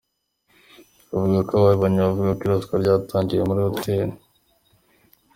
Biravuga ko ababibonye bavuga ko iraswa ryatangiriye muri hoteli.